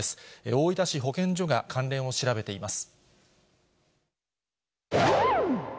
大分市保健所が関連を調べています。